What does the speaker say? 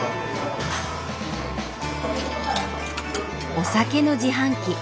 お酒の自販機。